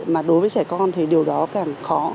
mà đối với trẻ con thì điều đó càng khó